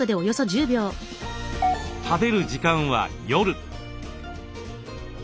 食べる時間は夜。